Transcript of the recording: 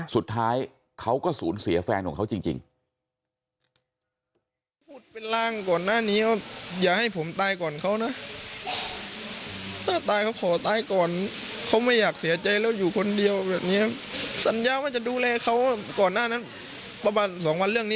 สุดท้ายเขาก็สูญเสียแฟนของเขาจริง